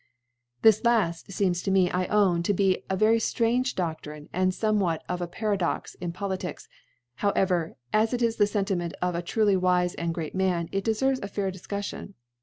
This lad feetns to me, I own^ to be very ftrange Doftrine, and (bmewhac of aPa^ fadox in Politics % howerer, as it is the Sentiment of a truly wife and great Man^ It deserves a fair Difcqilion.